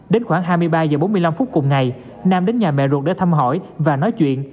đến khoảng hai mươi ba h bốn mươi năm phút cùng ngày nam đến nhà mẹ ruột để thăm hỏi và nói chuyện